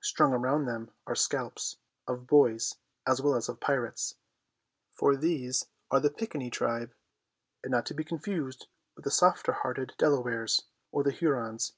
Strung around them are scalps, of boys as well as of pirates, for these are the Piccaninny tribe, and not to be confused with the softer hearted Delawares or the Hurons.